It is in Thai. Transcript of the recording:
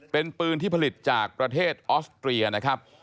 เป็นปืนที่ผลิตจากประเทศออสเตรียนะครับ